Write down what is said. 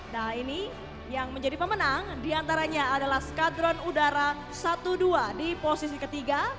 nah ini yang menjadi pemenang diantaranya adalah skadron udara satu dua di posisi ketiga